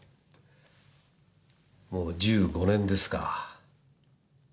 もう１５年ですか。